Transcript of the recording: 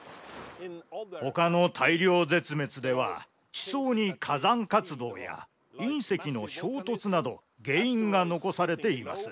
ほかの大量絶滅では地層に火山活動や隕石の衝突など原因が残されています。